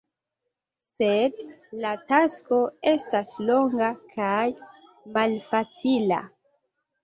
Sed la tasko estas longa kaj malfacila.